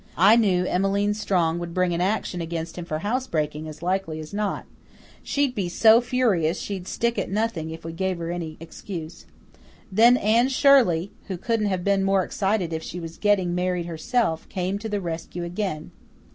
I knew Emmeline Strong would bring an action against him for housebreaking as likely as not. She'd be so furious she'd stick at nothing if we gave her any excuse. Then Anne Shirley, who couldn't have been more excited if she was getting married herself, came to the rescue again.